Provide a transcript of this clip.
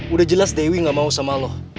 udah jelas dewi gak mau sama lo